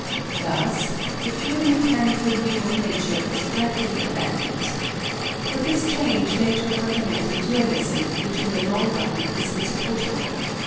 Thus the purely mechanical view of nature was gradually abandoned. But this change led to a fundamental dualism which in the long run was insupportable.